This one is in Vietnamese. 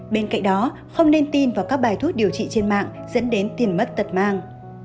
bên cạnh đó không nên tin vào các bài thuốc điều trị trên mạng dẫn đến tiền mất tật mang